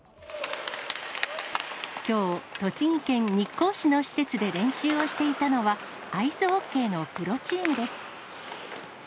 きょう、栃木県日光市の施設で練習をしていたのは、アイスホッケーのプロチームです。